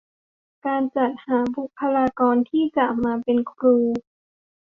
การจัดหาบุคคลากรที่จะมาเป็นครู